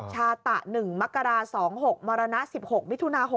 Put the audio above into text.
ชาตะ๑มกรา๒๖มรณะ๑๖มิถุนา๖๖